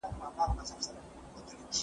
اعتیاد ټولنې ځپي.